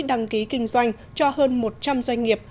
đăng ký kinh doanh cho hơn một trăm linh doanh nghiệp